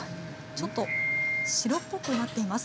ちょっと白っぽくなっています。